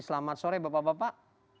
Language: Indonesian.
selamat sore bapak bapak